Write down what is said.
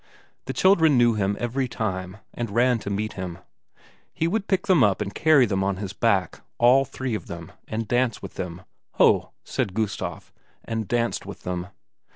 The children knew him every time, and ran to meet them; he would pick them up and carry them on his back, all three of them, and dance with them. "Ho!" said Gustaf, and danced with them.